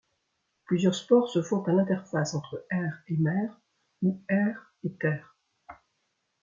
Plusieurs sports se font à l'interface entre air et mer ou air et terre.